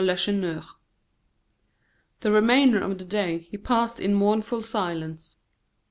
Lacheneur. The remainder of the day he passed in mournful silence.